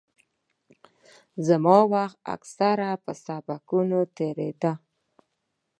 زما وخت اکثره په سبقانو تېرېده.